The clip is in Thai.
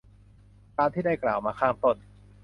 ตามที่ได้กล่าวมาข้างต้น